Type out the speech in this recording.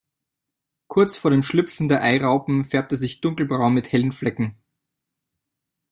Kurz vor dem Schlüpfen der Eiraupen färbt es sich dunkelbraun mit hellen Flecken.